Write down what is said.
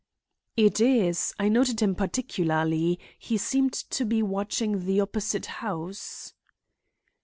"It is; I noted him particularly; he seemed to be watching the opposite house."